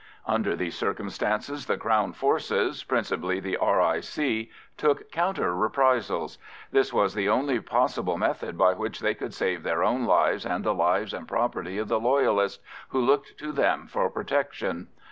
Under these circumstances the Crown forces, principally the R.I.C., took counter reprisals; this was the only possible method by which they could save their own lives and the lives and property of the Loyalists, who looked to them for protection.